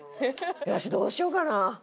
わしどうしようかな。